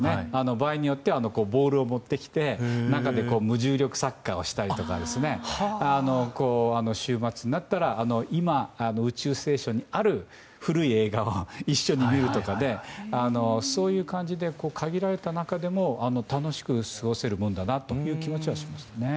場合によってはボールを持ってきて中で無重力サッカーをしたりとか週末になったら今、宇宙ステーションにある古い映画を一緒に見るとかでそういう感じで限られた中でも楽しく過ごせるもんだなという気持ちはしましたね。